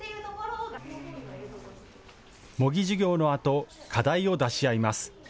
模擬授業のあと課題を出し合います。